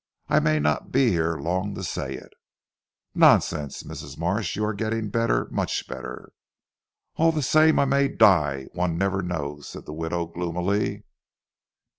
I may not be here long to say it." "Nonsense, Mrs. Marsh. You are getting better, much better." "All the same I may die; one never knows," said the widow gloomily.